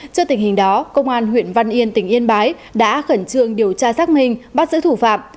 trước tình hình đó công an huyện văn yên tỉnh yên bái đã khẩn trương điều tra xác minh bắt giữ thủ phạm